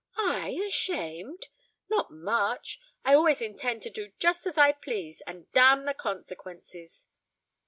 "I ashamed? Not much. I always intend to do just as I please and damn the consequences."